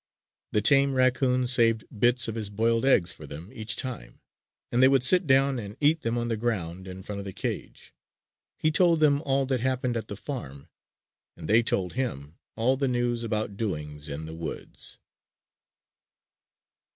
The tame raccoon saved bits of his boiled eggs for them each time; and they would sit down and eat them on the ground in front of the cage. He told them all that happened at the farm; and they told him all the news about doings in the woods.